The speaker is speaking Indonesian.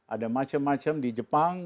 ada macem macem di jepang